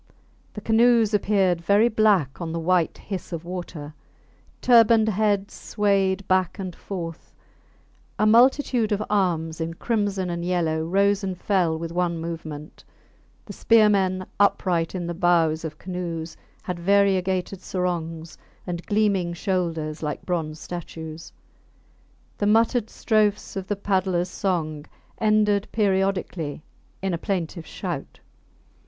The canoes appeared very black on the white hiss of water; turbaned heads swayed back and forth; a multitude of arms in crimson and yellow rose and fell with one movement; the spearmen upright in the bows of canoes had variegated sarongs and gleaming shoulders like bronze statues; the muttered strophes of the paddlers song ended periodically in a plaintive shout.